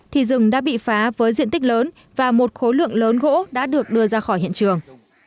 thì rừng đã bị phá với diện tích lớn và một khối lượng lớn gỗ đã được đưa ra khỏi hiện trường